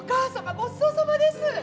ごちそうさまです。